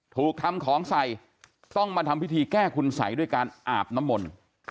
ถูกทำของใส่ต้องมาทำพิธีแก้คุณสัยด้วยการอาบน้ำมนต์